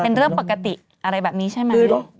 เป็นเรื่องปกติอะไรแบบนี้ใช่ไหม